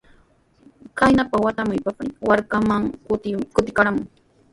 Qanyan watami paniiqa markanman kutikamurqan.